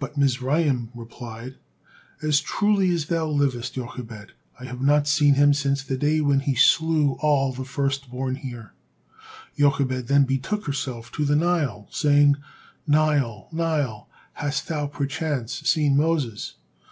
But Mizraim replied, "As truly as thou livest, Jochebed, I have not seen him since the day when he slew all the firstborn here." Jochebed then betook herself to the Nile, saying, "Nile, Nile, hast thou perchance seen Moses?"